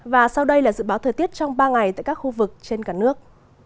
và sau đây là dự báo thời tiết trong ba ngày tại các khu vực trên cả nước